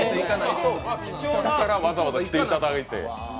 だからわざわざ来ていただいて。